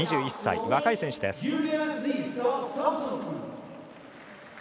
２１歳の若い選手です。